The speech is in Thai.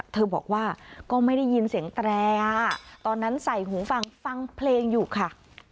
เธอบอกว่าก็ไม่ได้ยินเสียงแตรตอนนั้นใส่หูฟังฟังเพลงอยู่ค่ะ